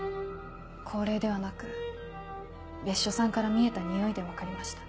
降霊ではなく別所さんから見えた匂いで分かりました。